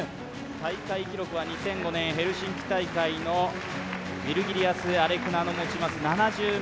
大会記録は２００５年ヘルシンキ大会のウィルギリウス・アレクナが持ちます